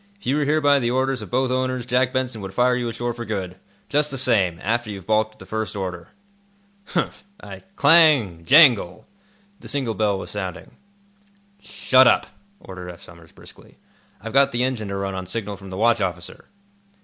If you were here by the orders of both owners, Jack Benson would fire you ashore for good, just the same, after you've balked at the first order." "Humph! I—" Clang! Jangle! The signal bell was sounding. "Shut up," ordered Eph Somers, briskly. "I've got the engine to run on signal from the watch officer."